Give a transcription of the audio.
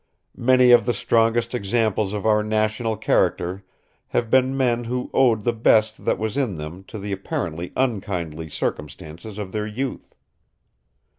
Many of the strongest examples of our national character have been men who owed the best that was in them to the apparently unkindly circumstances of their youth.